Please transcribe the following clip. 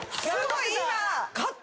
すごい今。